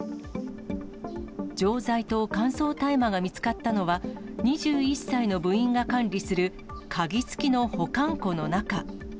錠剤と乾燥大麻が見つかったのは、２１歳の部員が管理する鍵付きの保管庫の中。